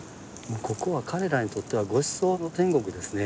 ここは彼らにとってはごちそうの天国ですね。